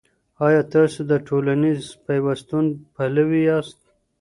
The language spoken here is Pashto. آيا تاسو د ټولنيز پيوستون پلوي ياست؟